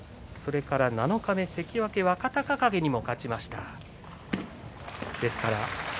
それから七日目関脇、若隆景にも勝っています。